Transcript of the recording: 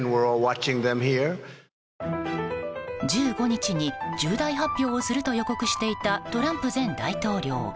１５日に重大発表をすると予告していたトランプ前大統領。